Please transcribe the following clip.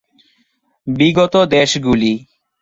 বিগত দেশগুলি